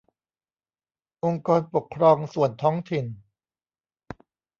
องค์กรปกครองส่วนท้องถิ่น